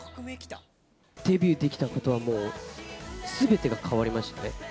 デビューできたことはもう、すべてが変わりましたね。